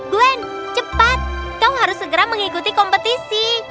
gwen cepat kau harus segera mengikuti kompetisi